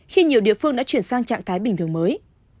khi nhiều địa phương đã chuyển sang trạng thái bình thường mới